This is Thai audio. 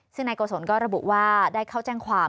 ซึ่งนายโกศลก็ระบุว่าได้เข้าแจ้งความ